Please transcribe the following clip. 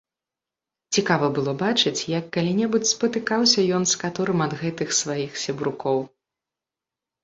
Цікава было бачыць, як калі-небудзь спатыкаўся ён з каторым ад гэтых сваіх сябрукоў.